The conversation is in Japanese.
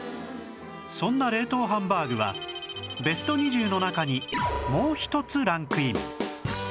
そんな冷凍ハンバーグはベスト２０の中にもう一つランクイン